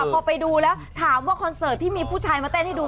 พอไปดูแล้วถามว่าคอนเสิร์ตที่มีผู้ชายมาเต้นให้ดู